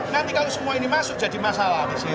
nanti kalau semua ini masuk jadi masalah